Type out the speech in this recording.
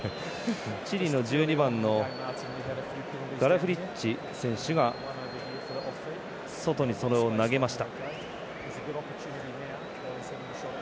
チリの１２番のガラフリッチ選手が外に、それを投げました。